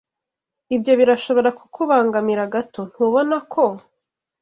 Ibyo birashobora kukubangamira gato, ntubona ko?